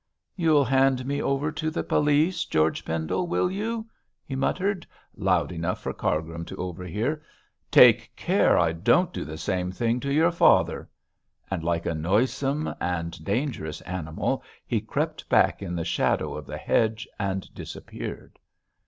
'You'll hand me over to the police, George Pendle, will you?' he muttered, loud enough for Cargrim to overhear. 'Take care I don't do the same thing to your father,' and like a noisome and dangerous animal he crept back in the shadow of the hedge and disappeared.